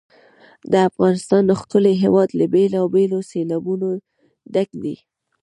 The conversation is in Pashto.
د افغانستان ښکلی هېواد له بېلابېلو سیلابونو ډک دی.